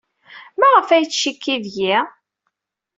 Maɣef ay yettcikki deg-i?